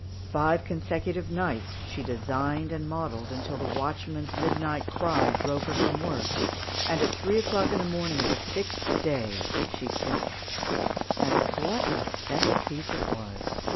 Five consecutive nights, she designed and modelled until the watchman's midnight cry drove her from work, and at three o'clock in the morning of the sixth day, she finished. And what a centrepiece it was!